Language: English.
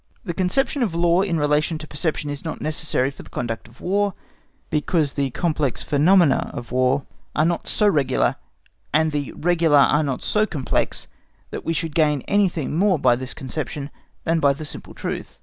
The conception of law in relation to perception is not necessary for the conduct of War, because the complex phenomena of War are not so regular, and the regular are not so complex, that we should gain anything more by this conception than by the simple truth.